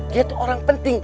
dia tuh orang penting